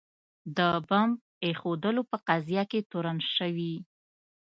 د بمب ایښودلو په قضیه کې تورن شوي.